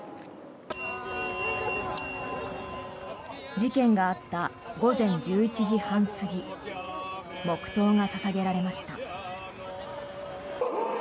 事件があった午前１１時半過ぎ黙祷が捧げられました。